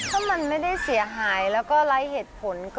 ถ้ามันไม่ได้เสียหายแล้วก็ไร้เหตุผล